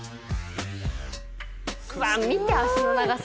うわ見て脚の長さ。